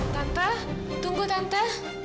tante tunggu tante